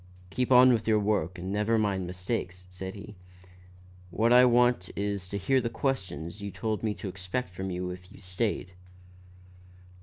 "Keep on with your work and never mind mistakes," said he. "What I want is to hear the questions you told me to expect from you if you stayed."